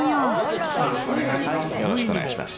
よろしくお願いします。